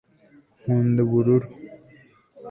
nkunda ubururu